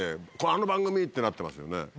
あの番組⁉」ってなってますよね。